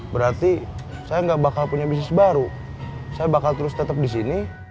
berarti saya gak bakal punya bisnis baru saya bakal terus tetap disini